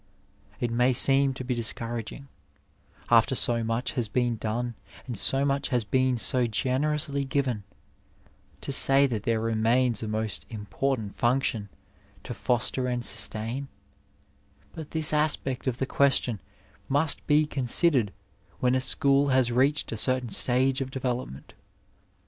It may seem to be discouraging, after so much has been done and so much has been so generously given, to say that there remains a most important function to foster and sustain, but this aspect of the question must be con sidered when a school has reached a certain stage of develop m^it.